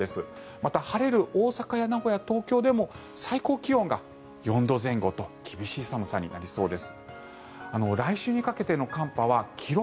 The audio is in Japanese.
また、晴れる大阪や名古屋、東京でも最高気温が４度前後と厳しい寒さになりそうです。